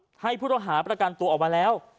ตำรวจให้พุทธอาหารประกันตัวออกมาแล้ว